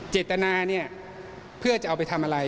เจตนาเนี่ยเพื่อจะเอาไปทำอะไร